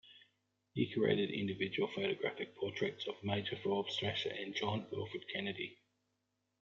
He created individual photographic portraits of Major Forbes Thrasher and John Wilfred Kennedy.